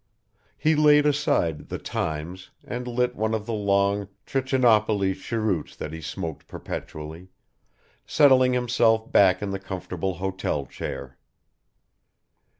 He laid aside The Times and lit one of the long Trichinopoly cheroots that he smoked perpetually, settling himself back in the comfortable hotel chair.